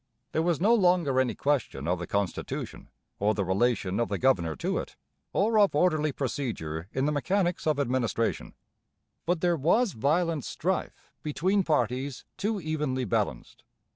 There was no longer any question of the constitution, or the relation of the governor to it, or of orderly procedure in the mechanics of administration; but there was violent strife between parties too evenly balanced.